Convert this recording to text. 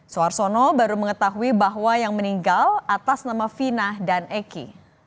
suarsono baru mengetahui bahwa yang meninggal atas nama fina dan eki